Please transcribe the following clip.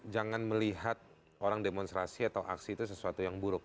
jangan melihat orang demonstrasi atau aksi itu sesuatu yang buruk